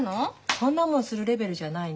そんなもんするレベルじゃないの。